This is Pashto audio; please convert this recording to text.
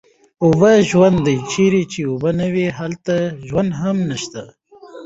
اوبه ژوند دی، چېرې چې اوبه نه وي هلته ژوند هم نشته